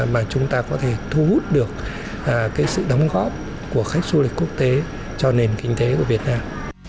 mà chúng ta có thể thu hút được sự đóng góp của khách du lịch quốc tế cho nền kinh tế của việt nam